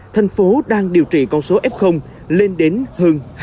thân phố đang điều trị con số f lên đến hơn hai